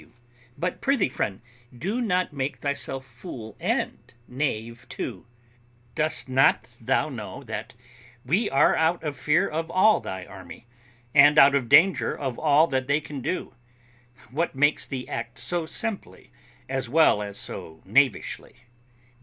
W. But prithee, friend, do not make thyself fool and knave too. Dost not thou know that we are out of fear of all thy army, and out of danger of all that they can do? What makes thee act so simply as well as so knavishly?